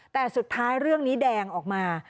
แต่สุดท้ายเรื่องนี้แดงออกมา